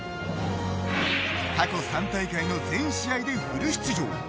過去３大会の全試合でフル出場。